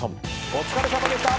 お疲れさまでした。